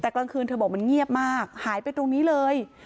แต่กลางคืนเธอบอกมันเงียบมากหายไปตรงนี้เลย